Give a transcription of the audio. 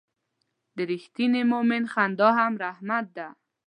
د رښتیني مؤمن خندا هم رحمت ده.